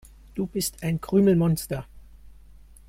Du bist ein Krümelmonster.